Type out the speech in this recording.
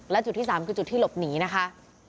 และจุดที่๓คือจุดที่หลบหนีนะคะ